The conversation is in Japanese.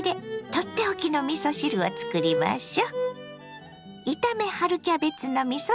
取って置きのみそ汁をつくりましょ。